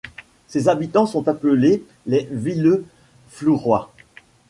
Ses habitants sont appelés les Villeflourois.